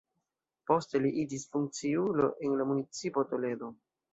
Poste li iĝis funkciulo en la Municipo Toledo.